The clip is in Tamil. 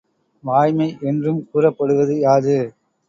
வாய்மை என்று கூறப்படுவது யாது?